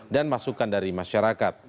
dan masukan dari masyarakat